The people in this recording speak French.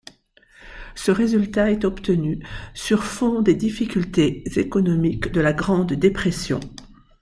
Ce résultat est obtenu sur fond des difficultés économiques de la Grande Dépression.